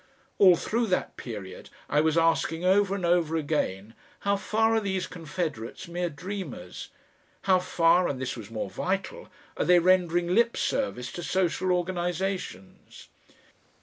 All through that period I was asking over and over again: how far are these Confederates mere dreamers? How far and this was more vital are they rendering lip service to social organisations?